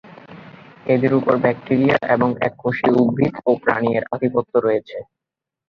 এদের উপর ব্যাকটিরিয়া, এবং এককোষী উদ্ভিদ ও প্রাণী এর আধিপত্য রয়েছে।